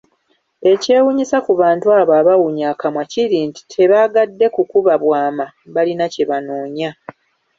Ekyewuunyisa ku bantu abo abawunya akamwa kiri nti, tebaagadde kukuba bwama balina kye banoonya.